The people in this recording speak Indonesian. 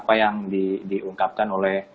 apakah bisa disatukan